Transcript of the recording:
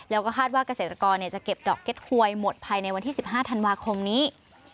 แล้วก็คาดว่าเกษตรกรจะเก็บดอกเก็ตหวยหมดภายในวันที่๑๕ธันวาคมนี้